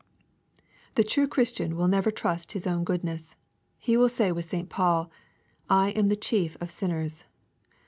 The true Christian will never trust in his own goodness. He will say with St. Paul, " I am the chief of sinners."